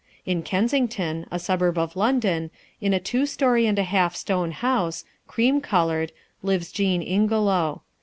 In Kensington, a suburb of London, in a two story and a half stone house, cream colored, lives Jean Ingelow.